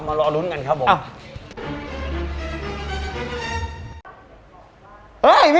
มารอรุ้นกันครับผมอ่ะ